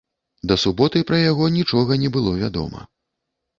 Да суботы пра яго нічога не было вядома.